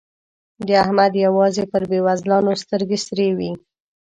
د احمد يوازې پر بېوزلانو سترګې سرې وي.